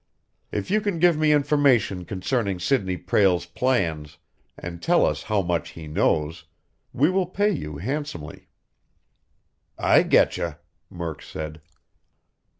If you can give me information concerning Sidney Prale's plans, and tell us how much he knows, we will pay you handsomely." "I getcha," Murk said.